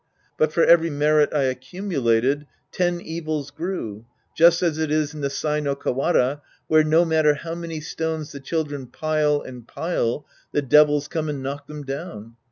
But for every merit I accumulated, ten evils grew, just as it is in the Sai no Kawara, where no matter how many stones the children pile and pile, the devils come and knock them down.